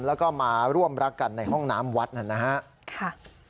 แล้วก็มาร่วมรักกันในห้องน้ำวัดนั่นนะฮะค่ะ